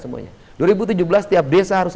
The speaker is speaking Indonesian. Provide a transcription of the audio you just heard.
semuanya dua ribu tujuh belas setiap desa harus